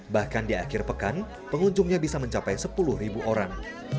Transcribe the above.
bahkan di akhir pekan pengunjungnya bisa mencapai sepuluh orang